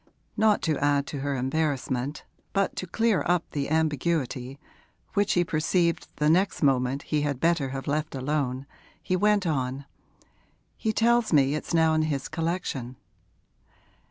Not to add to her embarrassment, but to clear up the ambiguity, which he perceived the next moment he had better have left alone, he went on: 'He tells me it's now in his collection.'